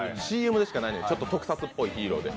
ＣＭでしかないのに、ちょっと特撮っぽいヒーローで。